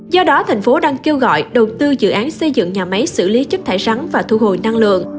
do đó thành phố đang kêu gọi đầu tư dự án xây dựng nhà máy xử lý chất thải rắn và thu hồi năng lượng